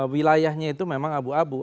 wilayahnya itu memang abu abu